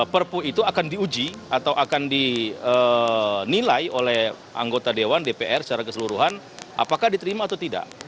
perpu itu akan diuji atau akan dinilai oleh anggota dewan dpr secara keseluruhan apakah diterima atau tidak